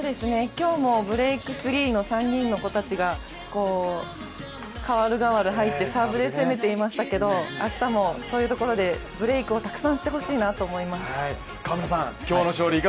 今日もブレイクスリーの３人の子たちが代わる代わる入ってサーブで攻めていましたけど明日もそういうところでブレイクをたくさんしてほしいなと思います。